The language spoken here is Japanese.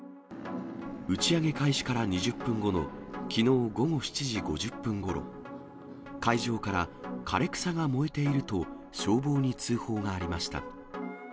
打ち上げ開始から２０分後のきのう午後７時５０分ごろ、会場から、枯れ草が燃えていると消防に通報がありました。